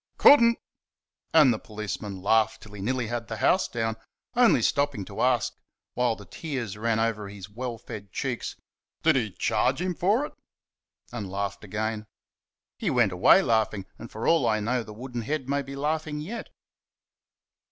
"COULD N'T?" And the policeman laughed till he nearly had the house down, only stopping to ask, while the tears ran over his well fed cheeks, "Did he charge him forrit?" and laughed again. He went away laughing, and for all I know the wooden head may be laughing yet.